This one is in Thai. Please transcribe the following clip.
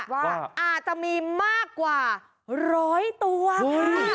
ว่าอาจจะมีมากกว่าร้อยตัวค่ะ